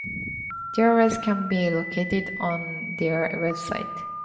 Dealers can be located on their website.